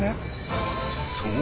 ［そう］